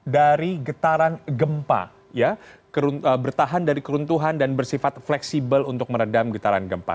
dari getaran gempa bertahan dari keruntuhan dan bersifat fleksibel untuk meredam getaran gempa